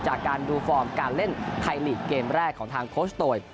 จากการดูฟอร์มการเล่นไทยลีกเกมแรกของทางโคชโตย